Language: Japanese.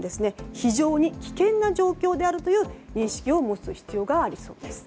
非常に危険な状況であるという認識を持つ必要があるそうです。